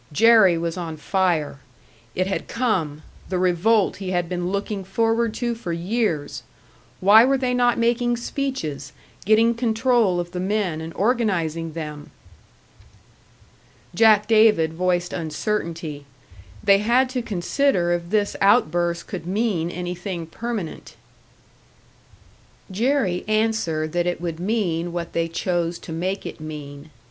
Jerry was on fire. It had come the revolt he had been looking forward to for years! Why were they not making speeches, getting control of the men and organising them? Jack David voiced uncertainty. They had to consider if this outburst could mean anything permanent. Jerry answered that it would mean what they chose to make it mean.